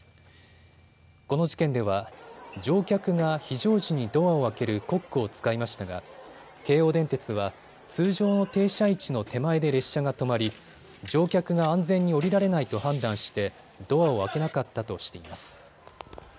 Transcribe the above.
この事件では乗客が非常時にドアを開けるコックを使いましたが京王電鉄は通常の停車位置の手前で列車が止まり乗客が安全に降りられないと判断してドアを開けなかったとしています。